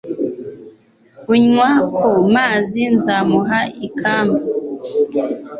unywa ku mazi nzamuha ikamba